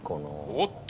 おっと！